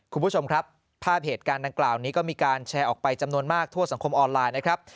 คุณผู้ชมครับภาพเหตุการณ์ดังกล่าวนี้ก็มีการแชร์ออกไปจำนวนมากทั่วสังคมออนไลน์นะครับ